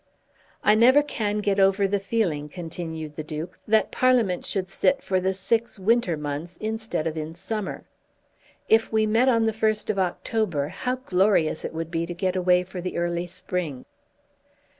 "I never can get over the feeling," continued the Duke, "that Parliament should sit for the six winter months, instead of in summer. If we met on the first of October, how glorious it would be to get away for the early spring!"